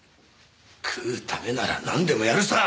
食うためならなんでもやるさ！